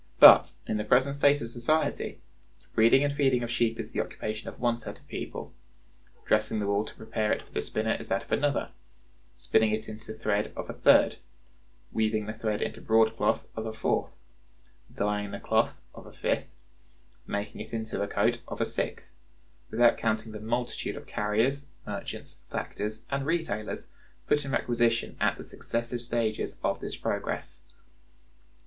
[But] in the present state of society, the breeding and feeding of sheep is the occupation of one set of people; dressing the wool to prepare it for the spinner is that of another; spinning it into thread, of a third; weaving the thread into broadcloth, of a fourth; dyeing the cloth, of a fifth; making it into a coat, of a sixth; without counting the multitude of carriers, merchants, factors, and retailers put in requisition at the successive stages of this progress.